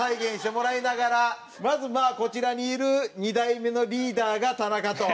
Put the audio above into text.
まずまあこちらにいる２代目のリーダーが田中と。